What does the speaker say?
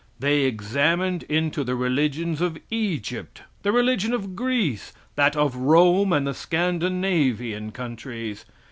They examined into the religions of Egypt, the religion of Greece, that of Rome and the Scandinavian countries.